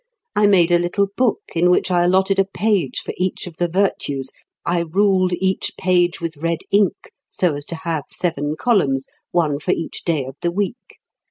I made a little book, in which I allotted a page for each of the virtues. I ruled each page with red ink, so as to have seven columns, one for each day of the week....